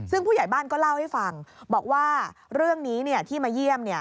ซึ่งผู้ใหญ่บ้านก็เล่าให้ฟังบอกว่าเรื่องนี้ที่มาเยี่ยม